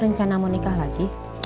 rencana mau nikah lagi